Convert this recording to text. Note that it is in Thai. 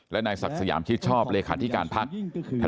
และนายศักดิ์สยามชิดชอบเลขาธิการภักดิ์